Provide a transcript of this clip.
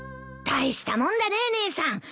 大したもんだね姉さん。